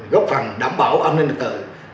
gốc phần đảm bảo an ninh lực tự